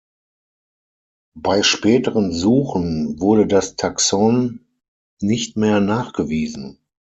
Bei späteren Suchen wurde das Taxon nicht mehr nachgewiesen.